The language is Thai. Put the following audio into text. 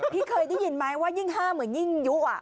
พี่เคยได้ยินไหมว่ายิ่งห้ามเหมือนยิ่งยุอ่ะ